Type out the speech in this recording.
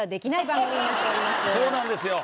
そうなんですよ。